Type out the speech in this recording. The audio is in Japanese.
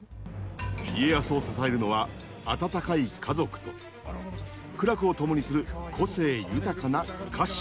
家康を支えるのは温かい家族と苦楽を共にする個性豊かな家臣たち。